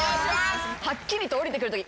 はっきりと下りてくるとき。